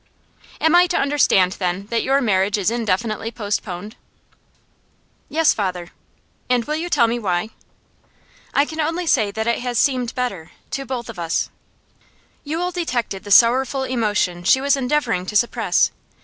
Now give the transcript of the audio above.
'Am I to understand, then, that your marriage is indefinitely postponed?' 'Yes, father.' 'And will you tell me why?' 'I can only say that it has seemed better to both of us.' Yule detected the sorrowful emotion she was endeavouring to suppress.